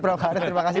terima kasih prof karin